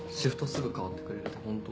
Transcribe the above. すぐ代わってくれるってホント？